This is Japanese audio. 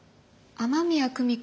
雨宮久美子